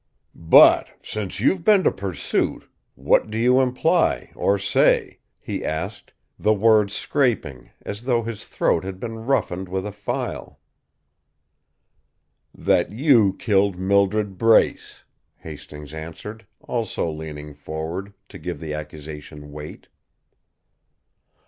"But, since you've been to Pursuit, what do you imply, or say?" he asked, the words scraping, as though his throat had been roughened with a file. "That you killed Mildred Brace," Hastings answered, also leaning forward, to give the accusation weight.